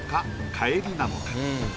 帰りなのか？